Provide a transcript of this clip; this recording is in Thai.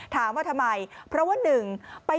ถามว่าทำไม